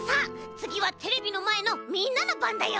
つぎはテレビのまえのみんなのばんだよ。